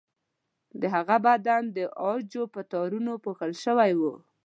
د هغه بدن د عاجو په تارونو پوښل شوی و.